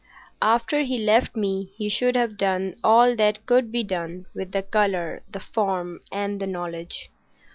After he left me he should have done all that could be done with the colour, the form, and the knowledge.